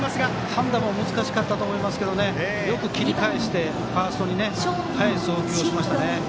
判断も難しかったと思いますけどねよく切り返してファーストに返す送球をしましたね。